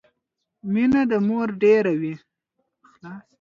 مينه د مور ډيره وي